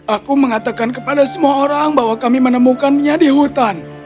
aku mengatakan kepada semua orang bahwa kami menemukannya di hutan